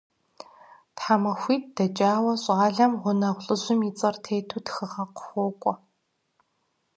ТхьэмахуитӀ дэкӀауэ щӀалэм гъунэгъу лӀыжьым и цӀэр тету тхыгъэ къыхуокӀуэ.